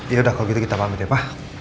yaudah kalau gitu kita pamit ya pak